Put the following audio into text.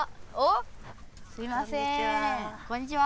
こんにちは。